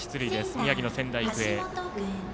宮城の仙台育英。